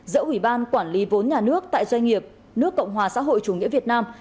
giữa ủy ban quản lý vốn nhà nước tại doanh nghiệp nước cộng hòa xã hội chủ nghĩa việt nam